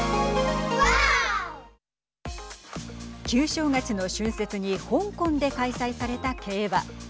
旧正月の春節に香港で開催された競馬。